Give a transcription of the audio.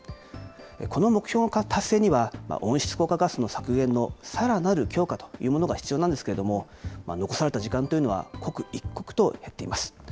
この目標の達成には、温室効果ガスの削減のさらなる強化というものが必要なんですけれども、残された時間というのは、刻一刻と減っています。